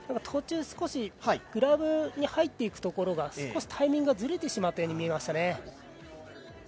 途中少しグラブに入っていくところが少しタイミングがずれてしまったように見えますね。